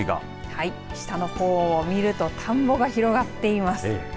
はい、下の方を見ると田んぼが広がっています。